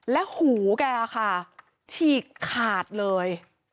และหูแกค่ะฉีกขาดเลย